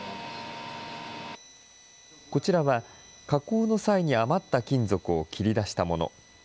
こちらは、加工の際に余った金属を切り出したもの。